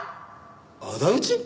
仇討ち？